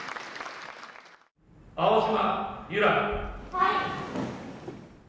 はい。